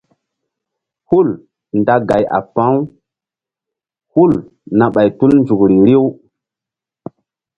Hul nda gay a pa̧ u hul na ɓay tul nzukri riw.